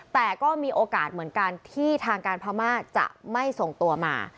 แต่ก็มีโอกาสเหมือนกันที่ทางการพม่าจะไม่ส่งตัวมา